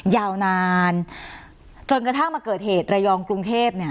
ยาวนานจนกระทั่งมาเกิดเหตุระยองกรุงเทพเนี่ย